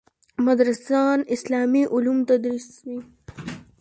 مدرسان اسلامي علوم تدریسوي.